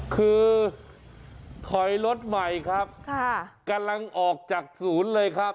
คือถอยรถใหม่ครับค่ะกำลังออกจากศูนย์เลยครับ